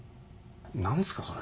何すかそれ。